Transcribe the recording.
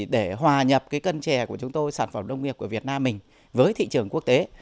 để hòa nhập cân chè của chúng tôi sản phẩm nông nghiệp của việt nam mình với thị trường quốc tế